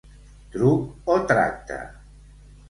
Truc o tracte.